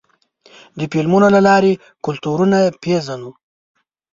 د فلمونو له لارې کلتورونه پېژنو.